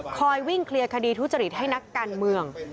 คอยวิ่งเคลียร์คดีทุจริตให้นักการเมือง